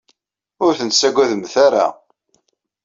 Ur ten-tettagademt ara.